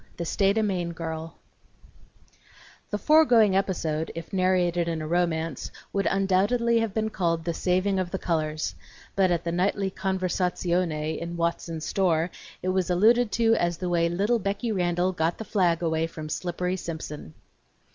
THE STATE O' MAINE GIRL I The foregoing episode, if narrated in a romance, would undoubtedly have been called "The Saving of the Colors," but at the nightly conversazione in Watson's store it was alluded to as the way little Becky Randall got the flag away from Slippery Simpson.